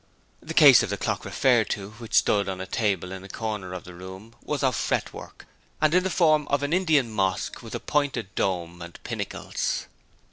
The case of the clock referred to which stood on a table in a corner of the room was of fretwork, in the form of an Indian Mosque, with a pointed dome and pinnacles.